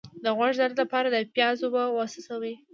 د غوږ درد لپاره د پیاز اوبه وڅڅوئ